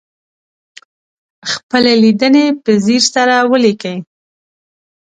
خپلې لیدنې په ځیر سره ولیکئ.